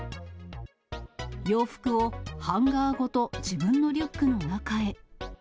洋服をハンガーごと、自分のリュックの中へ。